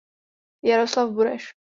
Jaroslav Bureš.